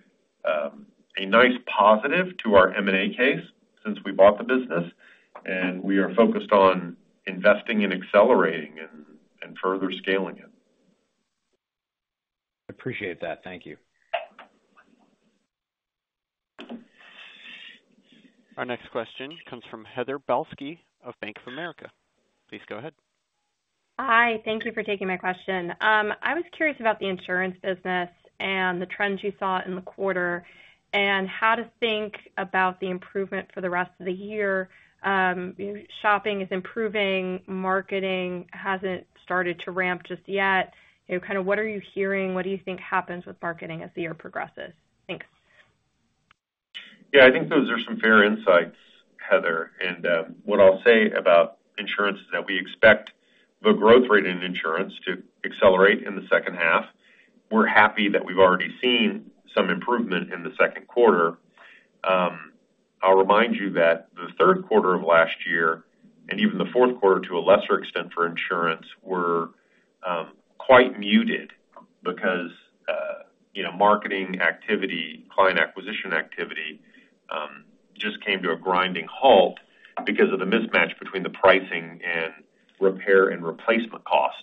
Speaker 3: a nice positive to our M&A case since we bought the business, and we are focused on investing and accelerating it and further scaling it.
Speaker 12: Appreciate that. Thank you.
Speaker 1: Our next question comes from Heather Balsky of Bank of America. Please go ahead.
Speaker 13: Hi, thank you for taking my question. I was curious about the insurance business and the trends you saw in the quarter, and how to think about the improvement for the rest of the year. Shopping is improving, marketing hasn't started to ramp just yet. You know, kind of, what are you hearing? What do you think happens with marketing as the year progresses? Thanks.
Speaker 3: Yeah, I think those are some fair insights, Heather. What I'll say about insurance is that we expect the growth rate in insurance to accelerate in the second half. We're happy that we've already seen some improvement in the second quarter. I'll remind you that the third quarter of last year, and even the fourth quarter, to a lesser extent for insurance, were quite muted because, you know, marketing activity, client acquisition activity, just came to a grinding halt because of the mismatch between the pricing and repair and replacement costs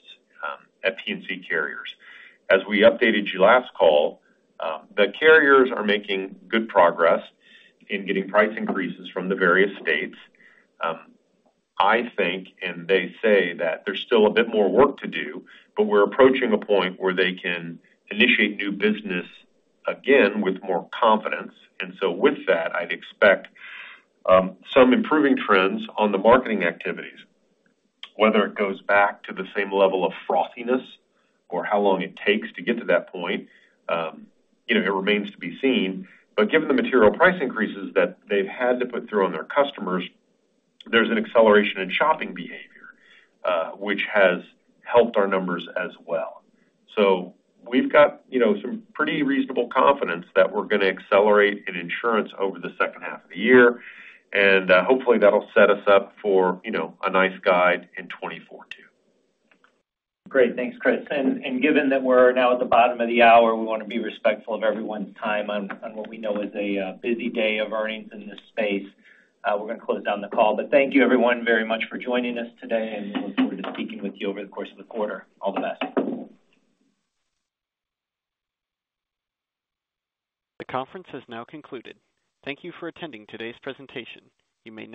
Speaker 3: at P&C carriers. As we updated you last call, the carriers are making good progress in getting price increases from the various states. I think, and they say that there's still a bit more work to do, but we're approaching a point where they can initiate new business again with more confidence. With that, I'd expect some improving trends on the marketing activities. Whether it goes back to the same level of frostiness or how long it takes to get to that point, you know, it remains to be seen. Given the material price increases that they've had to put through on their customers, there's an acceleration in shopping behavior, which has helped our numbers as well. We've got, you know, some pretty reasonable confidence that we're gonna accelerate in insurance over the second half of the year, and hopefully that'll set us up for, you know, a nice guide in 2024 too.
Speaker 13: Great, thanks, Chris. Given that we're now at the bottom of the hour, we want to be respectful of everyone's time on what we know is a busy day of earnings in this space. We're gonna close down the call. Thank you everyone very much for joining us today, and we look forward to speaking with you over the course of the quarter. All the best.
Speaker 1: The conference has now concluded. Thank you for attending today's presentation. You may disconnect.